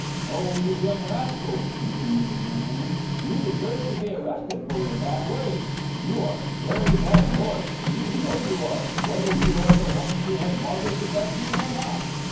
"'Oh, you young rascals,' continued the gentleman, 'you deserve to be arrested for your bad ways. You are very bad boys, you know you are, whether you are the ones who have bothered the Dutchman or not.